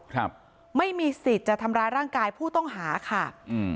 ครับไม่มีสิทธิ์จะทำร้ายร่างกายผู้ต้องหาค่ะอืม